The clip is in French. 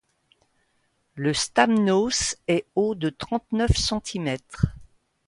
Le stamnos est haut de trente neuf centimètres.